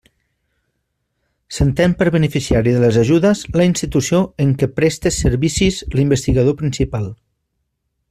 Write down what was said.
S'entén per beneficiari de les ajudes la institució en què preste servicis l'investigador principal.